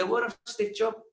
sekarang dalam kata steve jobs